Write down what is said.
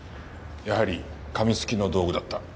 やはり紙すきの道具だった。